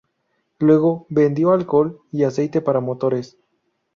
Luego, vendió alcohol y aceite para motores.